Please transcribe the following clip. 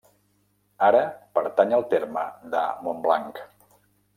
Ara pertany al terme de Montblanc.